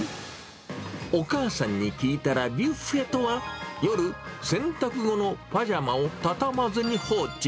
お母さんに聞いたら、ビュッフェとは、夜、洗濯後のパジャマを畳まずに放置。